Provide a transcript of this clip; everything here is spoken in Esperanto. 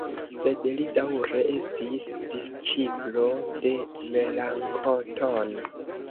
Sed li daŭre estis disĉiplo de Melanktono.